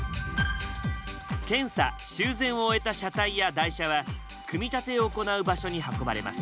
検査・修繕を終えた車体や台車は組み立てを行う場所に運ばれます。